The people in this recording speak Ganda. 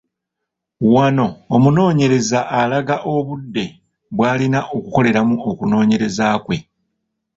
Wano omunoonyereza alaga obudde bw'alina okukoleramu okunoonyereza kwe.